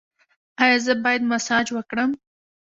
ایا زه باید مساج وکړم؟